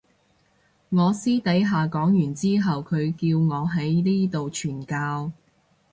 我私底下講完之後佢叫我喺呢度傳教